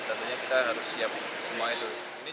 tentunya kita harus siap semua itu